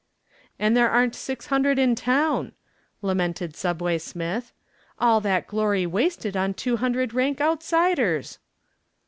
"And there aren't six hundred in town," lamented "Subway" Smith. "All that glory wasted on two hundred rank outsiders."